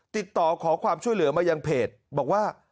ติดต่อขอความช่วยเหลือมายังเพจบอกว่า